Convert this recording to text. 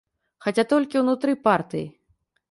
Хаця толькі ўнутры партыі.